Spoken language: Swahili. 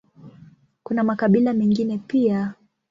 Kuna makabila mengine pia.